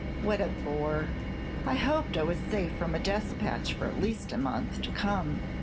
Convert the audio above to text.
"What a bore! I hoped I was safe from a despatch for at least a month to come.